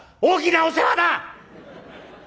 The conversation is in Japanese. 「大きなお世話だ！